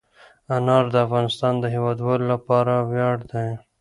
انار د افغانستان د هیوادوالو لپاره ویاړ دی.